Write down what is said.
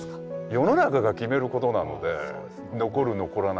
世の中が決めることなので残る残らないは。